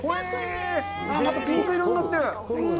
あっ、ピンク色になってる！